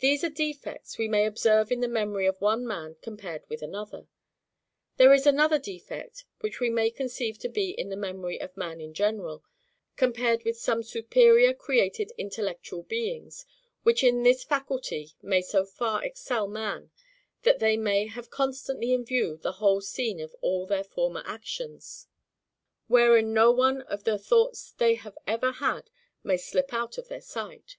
These are defects we may observe in the memory of one man compared with another. There is another defect which we may conceive to be in the memory of man in general;—compared with some superior created intellectual beings, which in this faculty may so far excel man, that they may have CONSTANTLY in view the whole scene of all their former actions, wherein no one of the thoughts they have ever had may slip out of their sight.